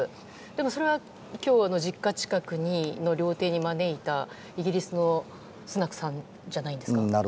それは今日実家近くの料亭に招いたイギリスのスナクさんじゃないんですか。